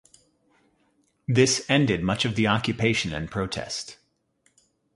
This ended much of the occupation and protest.